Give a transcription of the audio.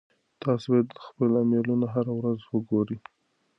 تاسو باید خپل ایمیلونه هره ورځ وګورئ.